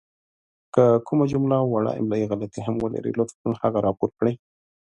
که کومه جمله وړه املائې غلطې هم ولري لطفاً هغه راپور کړئ!